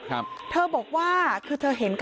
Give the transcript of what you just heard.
ทับไปทับมาแบบนี้นะคะ